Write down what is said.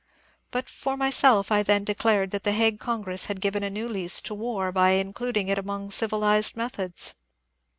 But for myself I then declared that the Hague Congress had given a new lease to war by including it among civilized methods.